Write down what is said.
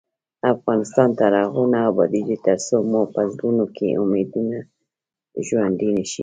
افغانستان تر هغو نه ابادیږي، ترڅو مو په زړونو کې امیدونه ژوندۍ نشي.